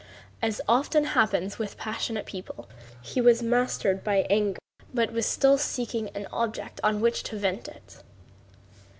As often happens with passionate people, he was mastered by anger but was still seeking an object on which to vent it.